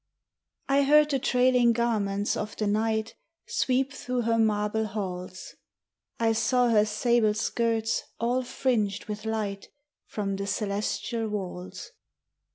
I heard the trailing garments of the Night Sweep through her marble halls! I saw her sable skirts all fringed with light From the celestial walls!